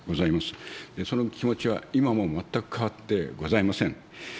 その気持ちは今も全く変わってございません。